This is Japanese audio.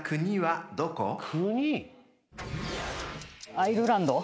アイルランド。